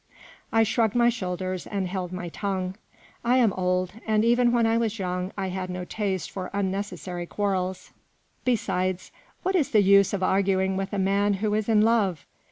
I shrugged my shoulders and held my tongue. I am old, and even when I was young T had no taste for unnecessary quarrels. Be sides, what is the use of arguing with a man who is in love